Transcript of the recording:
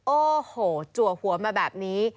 โอ้โหจัวหัวมาแบบนี้